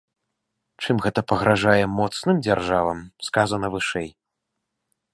Чым гэта пагражае моцным дзяржавам, сказана вышэй.